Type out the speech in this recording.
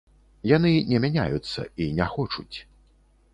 Яны не мяняюцца і не хочуць.